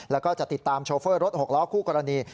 แล้วก็จะติดตามโชเฟอร์รถหกล้อคู่กรณี